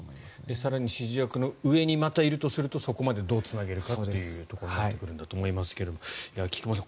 更に指示役の上にまたいるとするとそこまでどうつなげるかというところになってくると思いますが菊間さん